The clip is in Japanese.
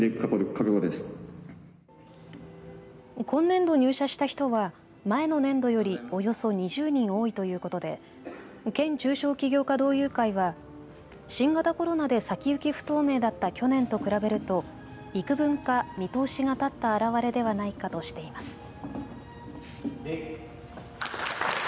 今年度入社した人は前の年度よりおよそ２０人多いということで県中小企業家同友会は新型コロナで先行き不透明だった去年と比べるといくぶんか見通しが立った表れではないかとしています。